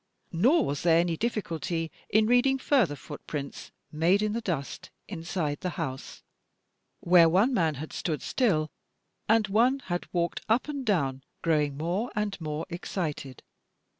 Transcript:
Nor was there any diflSculty in reading further footprints made in the dust inside the house, where one man had stood still and one had "walked up and down, growing more and more excited."